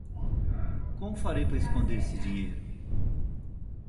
Como farei para esconder esse dinheiro?